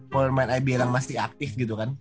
formal ibl yang masih aktif gitu kan